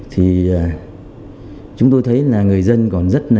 thì chúng tôi thấy là người dân còn rất là